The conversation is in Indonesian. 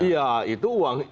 iya itu uang